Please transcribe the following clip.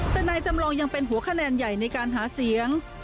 แต่นายจำลองยังเป็นหัวคะแนนใหญ่ในการหาเสียง